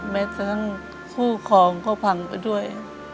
แม้ทั้งคู่ครองก็พังไปด้วย